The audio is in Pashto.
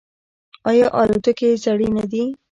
آیا الوتکې یې زړې نه دي؟